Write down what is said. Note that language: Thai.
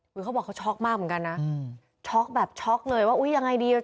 เขาบอกเขาช็อกมากเหมือนกันนะช็อกแบบช็อกเลยว่าอุ้ยยังไงดีอ่ะ